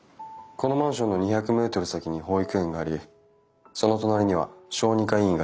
このマンションの２００メートル先に保育園がありその隣には小児科医院があります。